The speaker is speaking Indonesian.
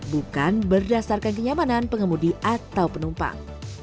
bukan berdasarkan kenyamanan pengemudi atau penumpang